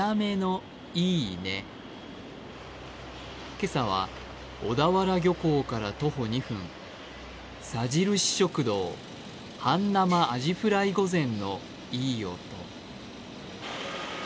今朝は、小田原漁港から徒歩２分、さじるし食堂、半生アジフライ御膳のいい音。